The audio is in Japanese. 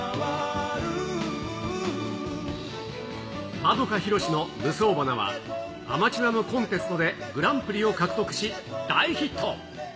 円広志の夢想花は、アマチュアのコンテストでグランプリを獲得し、大ヒット。